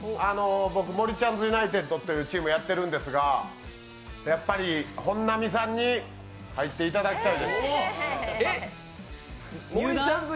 僕、もりちゃんずユナイテッドっていうチームやってるんですが本並さんに入っていただきたいです。